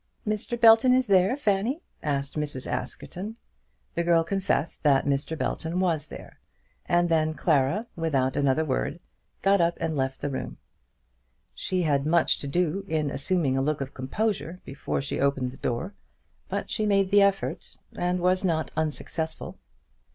"Mr. Belton is there, Fanny?" asked Mrs. Askerton. The girl confessed that Mr. Belton was there, and then Clara, without another word, got up and left the room. She had much to do in assuming a look of composure before she opened the door; but she made the effort, and was not unsuccessful.